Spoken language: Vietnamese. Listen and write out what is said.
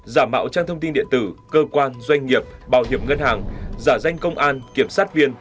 giả mạo trang thông tin điện tử cơ quan doanh nghiệp bảo hiểm ngân hàng giả danh công an kiểm sát viên